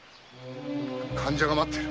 患者が待っている。